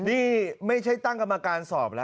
นี่ไม่ใช่ตั้งกรรมการสอบแล้ว